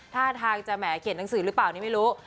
ท่าทางจะแหมเขียนหนังสือหรือเปล่านี่ไม่รู้